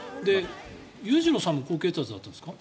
裕次郎さんも高血圧だったんですか？